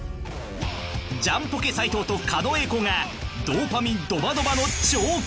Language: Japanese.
［ジャンポケ斉藤と狩野英孝がドーパミンドバドバの］